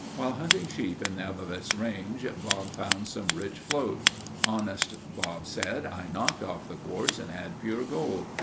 While hunting sheep in the Avawatz Range, Bob found some rich float. "Honest," Bob said, "I knocked off the quartz and had pure gold."